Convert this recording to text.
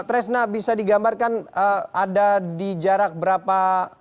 tresna bisa digambarkan ada di jarak berapa